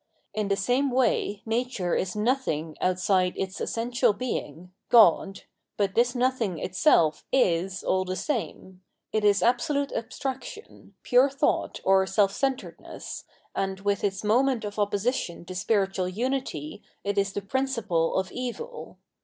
In the same way Nature is nothing outside its essential Being [God] ; but this nothing itself is aU the same ; it is absolute abstrac tion, pure thought or self centredness, and with its moment of opposition to spiritual unity it is the principle of Evil.